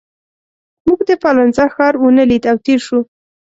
موږ د پالنزا ښار ونه لید او تېر شوو.